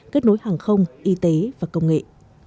kết nối hàng không y tế và công nghệ